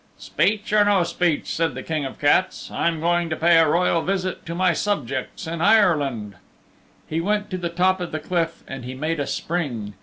"Speech or no speech," said the King of the Cats, "I'm going to pay a royal visit to my subjects in Ireland." He went to the top of the cliff and he made a spring.